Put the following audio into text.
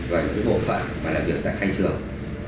và những bộ phận làm việc tại khai trường